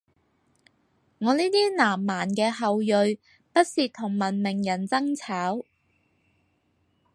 我呢啲南蠻嘅後裔，不屑同文明人爭吵